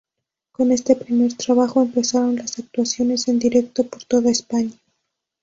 Con este primer trabajo, empezaron las actuaciones en directo por toda España.